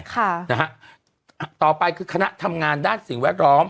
ค่ะนะฮะต่อไปคือคณะทำงานด้านสิ่งแวดล้อม